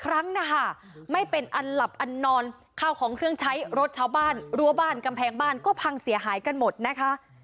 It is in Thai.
ครั้งนะคะไม่เป็นอันหลับอันนอนข้าวของเครื่องใช้รถชาวบ้านรั้วบ้านกำแพงบ้านก็พังเสียหายกันหมดนะคะ